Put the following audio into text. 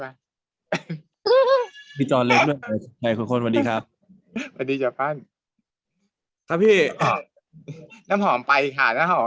ไหมทุกคนวันดีครับวันดีจะปั้นครับพี่น้ำหอมไปค่ะน้ำหอม